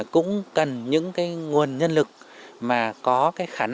cũng cần những nguồn nhân lực mà có khả năng về thực thi hành chính